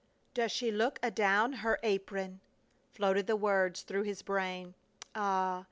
"Does she look adown her apron!" floated the words through his brain. Ah!